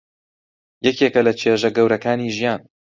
یەکێکە لە چێژە گەورەکانی ژیان.